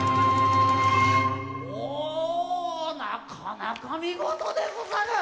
おぉなかなかみごとでござる！